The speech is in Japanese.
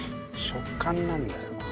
食感なんだよな。